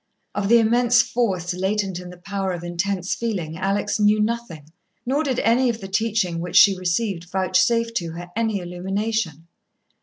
Of the immense force latent in the power of intense feeling Alex knew nothing, nor did any of the teaching which she received vouchsafe to her any illumination.